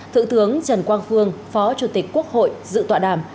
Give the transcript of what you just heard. thượng tướng trần quang phương phó chủ tịch quốc hội dự tọa đàm